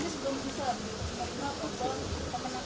mas apakah dengan adanya pengajuan